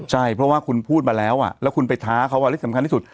ใช่เพราะว่าคุณพูดมาแล้วแล้วคุณไปท้าเขาอะไรสำคัญที่สุด